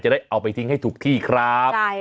ได้เอาไปทิ้งให้ถูกที่ครับ